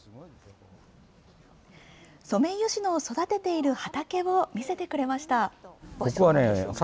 ソメイヨシノを育てている畑を見せてくれました。